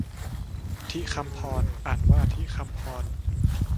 ฑิฆัมพร อ่านว่าทิคำพอน